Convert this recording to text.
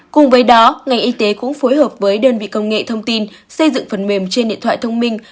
cùng với đó ngành y tế cũng phối hợp với đơn vị công nghệ thông tin xây dựng phần mềm trên điện thoại thông minh